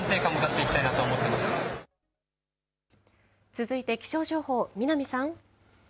続いて気象情報、南さん。